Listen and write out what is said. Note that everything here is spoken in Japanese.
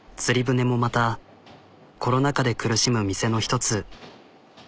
つり舟もまたコロナ禍で苦しむ店の一つ。